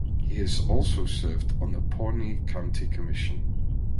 He also served on the Pawnee County Commission.